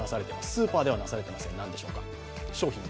スーパーではなされていません何でしょうか。